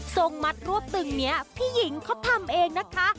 งมัดรวบตึงนี้พี่หญิงเขาทำเองนะคะ